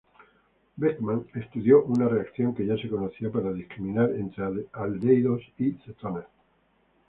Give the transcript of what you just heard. Beckmann estudió una reacción que ya se conocía para discriminar entre aldehídos y cetonas.